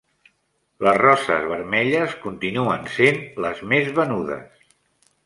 Les roses vermelles continuen sent les més venudes